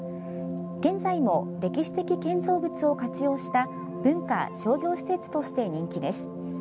現在も、歴史的建造物を活用した文化・商業施設として人気です。